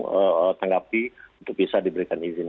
kita tanggapi untuk bisa diberikan izin